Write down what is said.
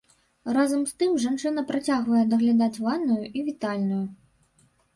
Разам з тым, жанчына працягвае даглядаць ванную і вітальную.